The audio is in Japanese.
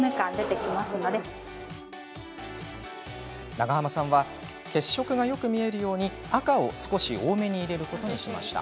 長濱さんは血色がよく見えるように赤を少し多めに入れることにしました。